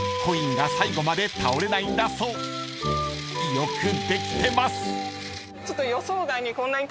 ［よくできてます］